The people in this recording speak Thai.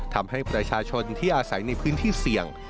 ทำให้ประชาชนที่อาศัยในพื้นที่เสี่ยง